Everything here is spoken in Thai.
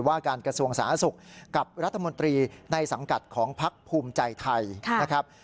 ว่าการกระทรวงสาธารณสุขกับรัฐมนตรีในสังกัดของพักภูมิใจไทยนะครับ